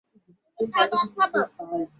মারকুটে batsman ছিলেন।